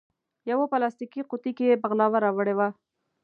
یوه پلاستیکي قوتۍ کې بغلاوه راوړې وه.